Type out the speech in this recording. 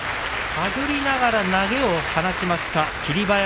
手繰りながら投げを放ちました霧馬山。